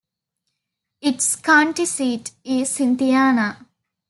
Its county seat is Cynthiana.